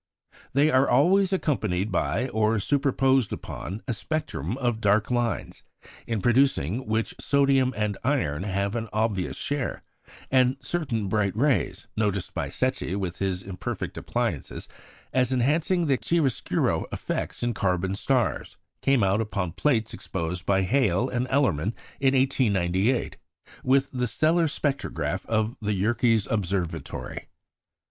They are always accompanied by, or superposed upon, a spectrum of dark lines, in producing which sodium and iron have an obvious share; and certain bright rays, noticed by Secchi with imperfect appliances as enhancing the chiaroscuro effects in carbon stars, came out upon plates exposed by Hale and Ellerman in 1898 with the stellar spectrograph of the Yerkes Observatory.